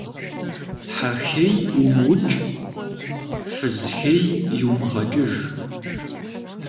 Хьэ хей умыукӏ, фыз хей йумыгъэкӏыж.